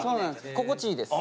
心地いいです。